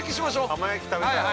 ◆浜焼き食べたい。